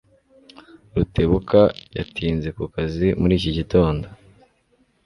Rutebuka yatinze ku kazi muri iki gitondo.